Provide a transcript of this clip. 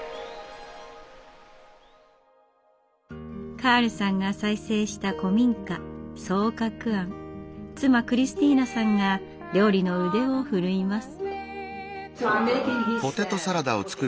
カールさんが再生した古民家妻クリスティーナさんが料理の腕を振るいます。